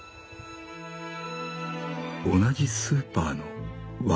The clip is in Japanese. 同じスーパーの割引券だ。